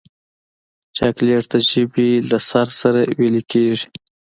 چاکلېټ د ژبې له سر سره ویلې کېږي.